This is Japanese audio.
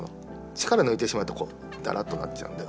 力抜いてしまうとだらっとなっちゃうんで